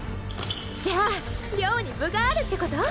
じゃあ亮に分があるってこと？